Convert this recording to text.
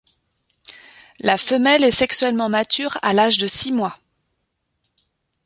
La femelle est sexuellement mature à l'âge de six mois.